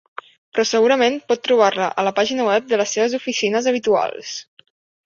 Però segurament pot trobar-la a la pàgina web de les seves oficines habituals.